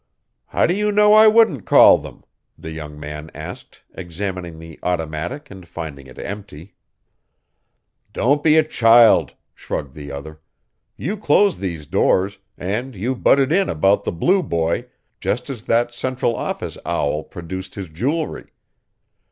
"How do you know I wouldn't call them?" the young man asked, examining the automatic and finding it empty. "Don't be a child," shrugged the other. "You closed these doors, and you butted in about the 'Blue Boy' just as that Central Office owl produced his jewelry.